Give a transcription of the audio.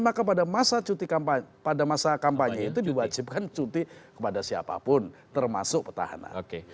maka pada masa cuti pada masa kampanye itu diwajibkan cuti kepada siapapun termasuk petahana